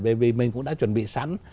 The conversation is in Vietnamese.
bởi vì mình cũng đã chuẩn bị sẵn